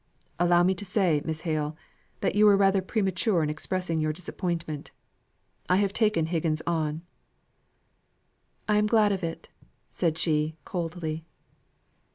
"Allow me to say, Miss Hale, that you were rather premature in expressing your disappointment. I have taken Higgins on." "I am glad of it," said she coldly.